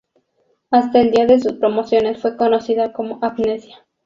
Hasta el día de sus promociones fue conocida como 'Amnesia'.